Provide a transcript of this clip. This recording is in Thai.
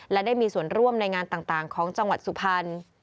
และได้มีส่วนร่วมในงานต่างของจังหวัดสุพรรณ